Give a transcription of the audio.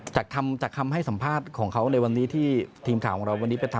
จากคำให้สัมภาษณ์ของเขาในวันนี้ที่ทีมข่าวของเราวันนี้ไปถาม